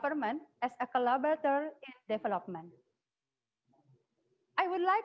kemungkinan recovery yang berbentuk k